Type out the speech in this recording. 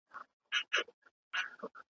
د وریښتانو خریل د وده لامل نه دی.